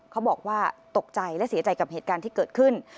เขาบอกว่าตกใจและเสียใจกับเหตุการณ์ที่เกิดขึ้น